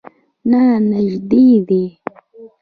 نه، نژدې دی